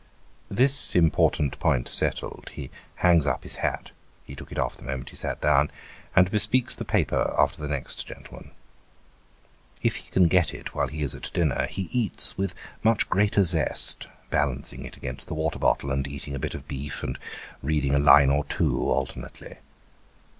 This important point settled, he hangs up his hat he took it off the moment he sat down and bespeaks the paper after the next gentleman. If he can get it while he is at dinner, he eats with much greater zest ; balancing it against the water bottle, and eating a bit of beef, and reading a line or two, alternately.